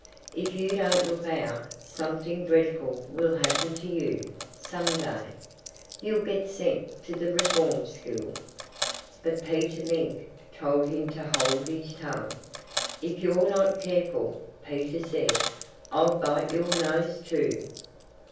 If you don't look out, something dreadful will happen to you, some day. You'll get sent to the Reform School." But Peter Mink told him to hold his tongue. "If you're not careful," Peter said, "I'll bite your nose, too."